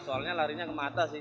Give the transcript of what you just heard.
soalnya larinya ke mata sih